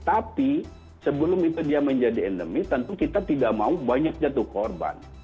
tapi sebelum itu dia menjadi endemi tentu kita tidak mau banyak jatuh korban